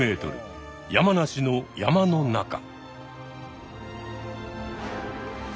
山梨の山の中。